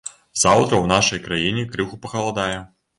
Заўтра ў нашай краіне крыху пахаладае.